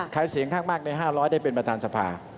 ใครเสียงข้างมากใน๕๐๐ได้เป็นประธานสภา